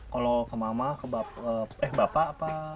kalau ke mama ke bapak apa